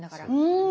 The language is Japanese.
うん。